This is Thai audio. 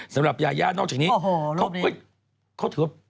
สำหรับยายะนอกจากนี้เขาเขาเว้ยเขาถือว่า